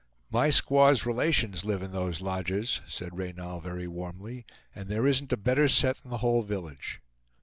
"My squaw's relations live in those lodges," said Reynal very warmly, "and there isn't a better set in the whole village."